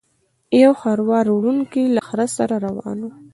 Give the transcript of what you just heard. یو خروار وړونکی له خره سره روان و.